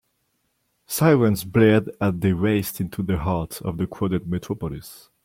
Sirens blared as they raced into the heart of the crowded metropolis.